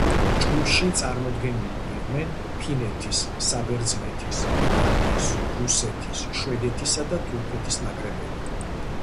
ჯგუფში წარმოდგენილნი იყვნენ ფინეთის, საბერძნეთის, იტალიის, რუსეთის, შვედეთისა და თურქეთის ნაკრებები.